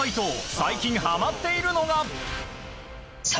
最近はまっているのが。